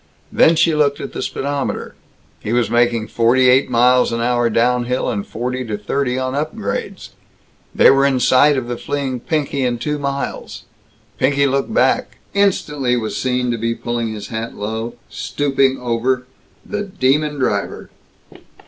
Then she looked at the speedometer. He was making forty eight miles an hour down hill and forty to thirty on upgrades. They were in sight of the fleeing Pinky in two miles. Pinky looked back; instantly was to be seen pulling his hat low, stooping over the demon driver.